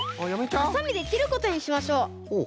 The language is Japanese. ハサミできることにしましょう。